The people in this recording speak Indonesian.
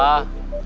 gak ada apa apa